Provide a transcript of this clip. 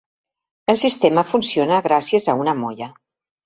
El sistema funciona gràcies a una molla.